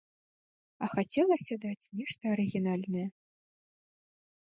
А хацелася даць нешта арыгінальнае.